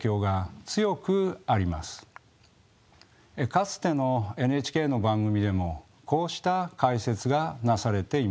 かつてのＮＨＫの番組でもこうした解説がなされています。